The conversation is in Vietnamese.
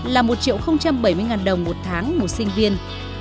là một triệu bảy mươi đồng một tháng một sinh viên